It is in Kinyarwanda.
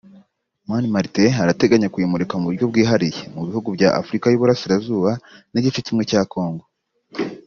Mani Martin arateganya kuyimurika mu buryo bwihariye mu bihugu bya Afurika y’Uburasirazuba n’igice kimwe cya Congo